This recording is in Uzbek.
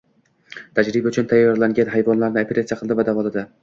Tajriba uchun tanlangan hayvonlarni operatsiya qildi va davoladi